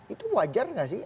itu wajar nggak sih